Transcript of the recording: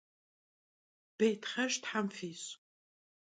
Bêytxhejj them fiş'!